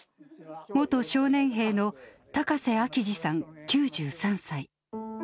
元少年兵の高瀬秋治さん９３歳。